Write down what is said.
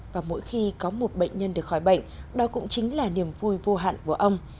và mỗi khi có một bệnh nhân được khỏi bệnh đó cũng chính là niềm vui vô hạn của ông